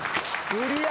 クリア。